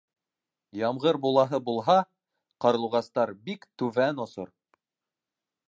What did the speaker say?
Ямғыр булаһы булһа, ҡарлуғастар бик түбән осор.